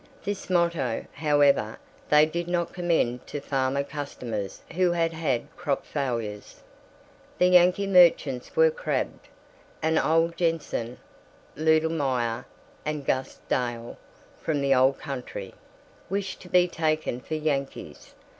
This motto, however, they did not commend to farmer customers who had had crop failures. The Yankee merchants were crabbed; and Ole Jenson, Ludelmeyer, and Gus Dahl, from the "Old Country," wished to be taken for Yankees.